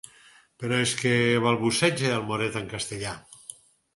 Però és que —balbuceja el moret, en castellà.